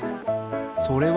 それは？